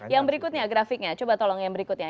yang berikutnya grafiknya coba tolong yang berikutnya